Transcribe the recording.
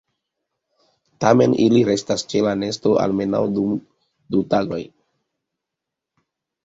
Tamen ili restas ĉe la nesto almenaŭ dum du tagoj.